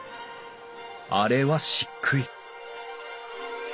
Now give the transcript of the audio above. あれは漆喰！